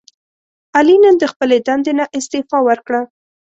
علي نن د خپلې دندې نه استعفا ورکړه.